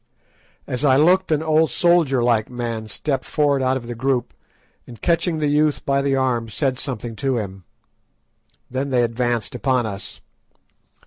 As I looked an old soldier like man stepped forward out of the group, and catching the youth by the arm said something to him. Then they advanced upon us.